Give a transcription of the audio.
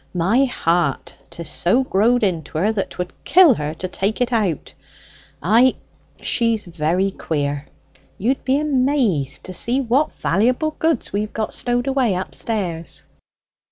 My heart! 'tis so growed into her that 'twould kill her to take it out. Ay, she's very queer: you'd be amazed to see what valuable goods we've got stowed away upstairs."